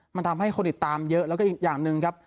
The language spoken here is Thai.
มันทำให้คนติดตามเยอะแล้วก็อีกอย่างหนึ่งครับ